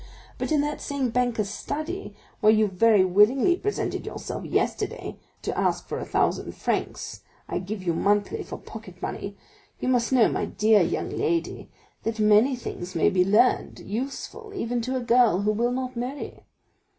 But in that same banker's study, where you very willingly presented yourself yesterday to ask for the thousand francs I give you monthly for pocket money, you must know, my dear young lady, that many things may be learned, useful even to a girl who will not marry.